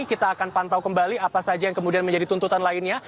kita akan pantau kembali apa saja yang kemudian menjadi tuntutan lainnya